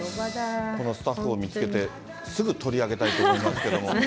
このスタッフを見つけて、すぐ取り上げたいと思いますけれども。